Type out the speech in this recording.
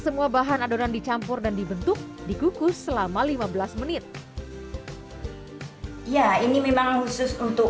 semua bahan adonan dicampur dan dibentuk dikukus selama lima belas menit ya ini memang khusus untuk